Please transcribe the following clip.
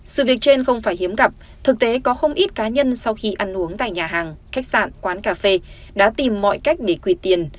sự việc trên không phải hiếm gặp thực tế có không ít cá nhân sau khi ăn uống tại nhà hàng khách sạn quán cà phê đã tìm mọi cách để quy tiền